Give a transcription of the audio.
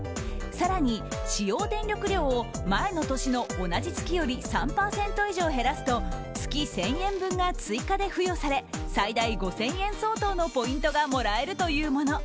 更に、使用電力量を前の年の同じ月より３％以上減らすと月１０００円分が追加で付与され最大５０００円相当のポイントがもらえるというもの。